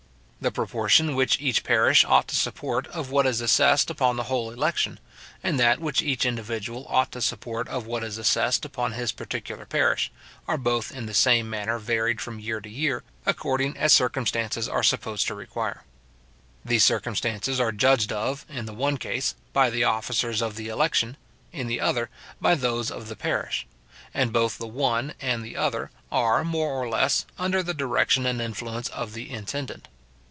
The proportion which each parish ought to support of what is assessed upon the whole election, and that which each individual ought to support of what is assessed upon his particular parish, are both in the same manner varied from year to year, according as circumstances are supposed to require. These circumstances are judged of, in the one case, by the officers of the election, in the other, by those of the parish; and both the one and the other are, more or less, under the direction and influence of the intendant.